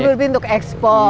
lebih lebih untuk ekspor